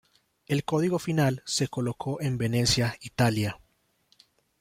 El código final se colocó en Venecia, Italia.